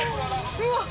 うわっ